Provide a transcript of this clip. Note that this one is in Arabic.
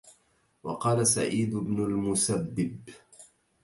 وَقَالَ سَعِيدُ بْنُ الْمُسَيِّبِ